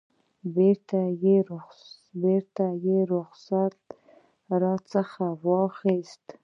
بیرته یې رخصت راڅخه واخیست.